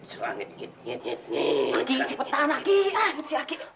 sangit cepetan sangit